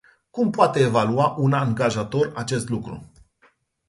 Cum poate evalua un angajator acest lucru?